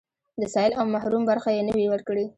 د سايل او محروم برخه يې نه وي ورکړې.